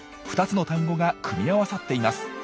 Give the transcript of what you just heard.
２つの単語が組み合わさっています。